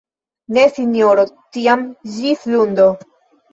Ne Sinjoro tiam ĝis lundo!